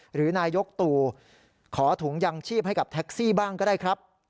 หรือนายกตู่ขอถุงยางชีพให้กับแท็กซี่บ้างก็ได้ครับ